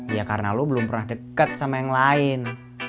ya karena lo belum pernah dekat sama yang lain